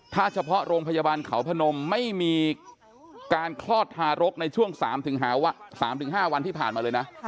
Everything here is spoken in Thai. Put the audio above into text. ถ้าเฉพาะโรงพยาบาลเขาพนมไม่มีการคลอดทารกในช่วง๓๕วันที่ผ่านมาเลยนะ